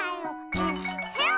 えっへん。